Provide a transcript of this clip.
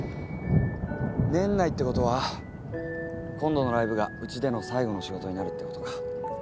年内ってことは今度のライブがうちでの最後の仕事になるってことか。